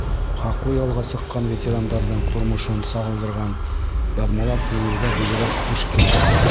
Хаҡлы ялға сыҡҡан ветерандарҙың тормошон сағылдырған яҙмалар күңелгә бигерәк хуш килә.